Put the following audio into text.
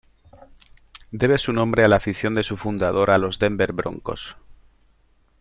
Debe su nombre a la afición de su fundador a los Denver Broncos.